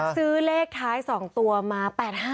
ซื้อเลขท้าย๒ตัวมา๘๕